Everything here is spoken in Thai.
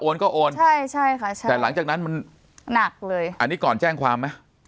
โอนใช่ใช่ค่ะใช่แต่หลังจากนั้นมันหนักเลยอันนี้ก่อนแจ้งความไหม